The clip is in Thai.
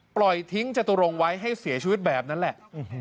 ปล่อยทิ้งจตุรงไว้ให้เสียชีวิตแบบนั้นแหละ